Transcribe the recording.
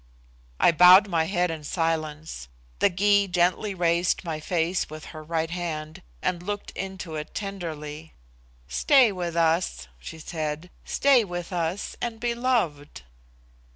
I bowed my head in silence. The Gy gently raised my face with her right hand, and looked into it tenderly. "Stay with us," she said; "stay with us, and be loved."